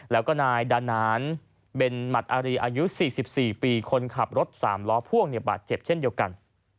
แล้วก็นายดานานเบนหมัดอารีอายุ๔๔ปีคนขับรถสามล้อพ่วงบาดเจ็บเช่นเดียวกัน